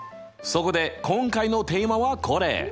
そこで今回のテーマはこれ！